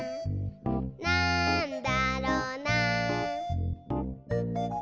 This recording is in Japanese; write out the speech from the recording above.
「なんだろな？」